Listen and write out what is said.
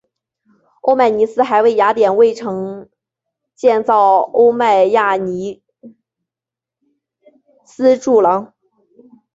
欧迈尼斯还为雅典卫城建造欧迈尼斯柱廊。